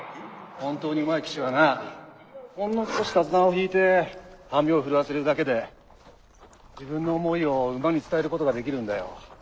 ほんの少し手綱を引いてハミを震わせるだけで自分の思いを馬に伝えることができるんだよ。